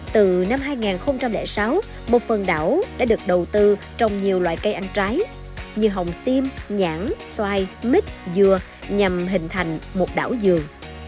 từ năm hai nghìn sáu một phần đảo đã được đầu tư trong nhiều loại cây ăn trái như hồng xiêm nhãn xoai mít dưa nhằm hình thành một đảo dường